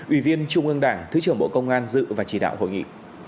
ủy viên trung ương đảng thứ trưởng bộ công an dự và chỉ đạo hội nghị